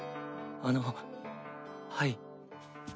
あのはい。